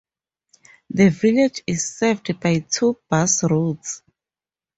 The village is served by two bus routes.